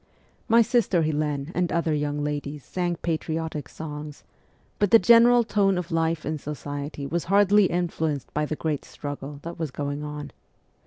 My sister Helene and other young ladies sang patriotic songs, but the general tone of life in society was hardly influenced by the great struggle that was going on.